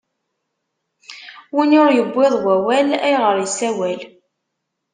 Win ur iwwiḍ wawal, ayɣeṛ issawal ?